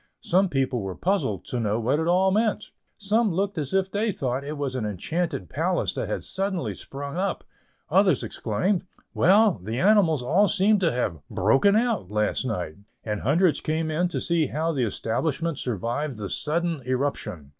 Some people were puzzled to know what it all meant; some looked as if they thought it was an enchanted palace that had suddenly sprung up; others exclaimed, "Well, the animals all seem to have 'broken out' last night," and hundreds came in to see how the establishment survived the sudden eruption.